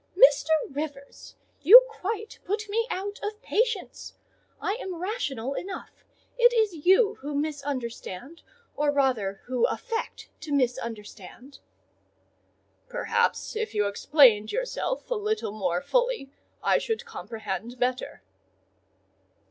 "Mr. Rivers! you quite put me out of patience: I am rational enough; it is you who misunderstand, or rather who affect to misunderstand." "Perhaps, if you explained yourself a little more fully, I should comprehend better."